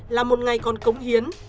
là một ngày còn cống hiến